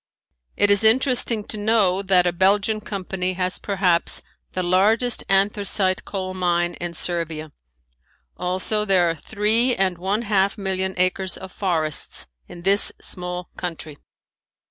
It is interesting to know that a Belgian company has perhaps the largest anthracite coal mine in Servia. Also, there are three and one half million acres of forests in this small country.